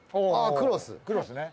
クロスね。